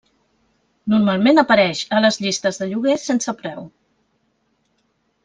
Normalment apareix a les llistes de lloguer sense preu.